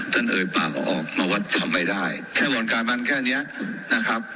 จังเงยปากออกแมวว่าทำไม่ได้แค่บ่อนการบันแค่เนี้ยนะครับ